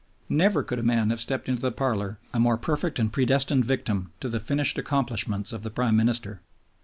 Never could a man have stepped into the parlor a more perfect and predestined victim to the finished accomplishments of the Prime Minister.